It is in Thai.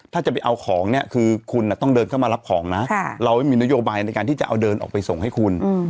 ถ้าจะไปเอาของเนี่ยคือคุณต้องเดินเข้ามารับของนะเราไม่มีนโยบายในการที่จะเอาเดินออกไปส่งให้คุณ